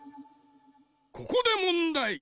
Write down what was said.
ここでもんだい。